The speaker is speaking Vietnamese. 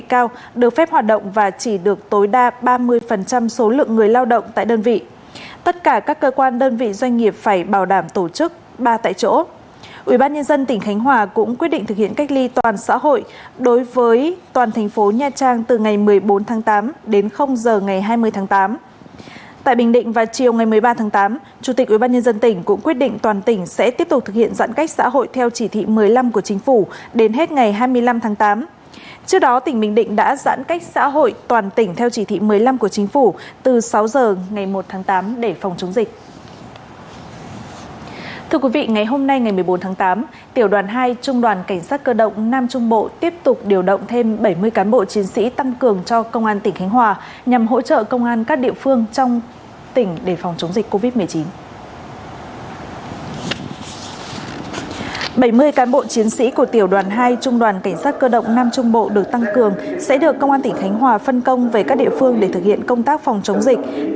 bảy mươi cán bộ chiến sĩ của tiểu đoàn hai trung đoàn cảnh sát cơ động nam trung bộ được tăng cường sẽ được công an tỉnh khánh hòa phân công về các địa phương để thực hiện công tác phòng chống dịch